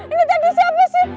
ini tadi siapa sih